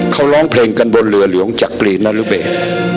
เขาร้องเพลงกันบนเรือหลวงจักรีนรเบศ